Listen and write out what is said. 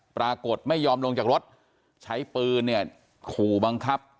ปรากฏไม่ยอมลงจากรถใช้ปืนเนี่ยขู่บังคับ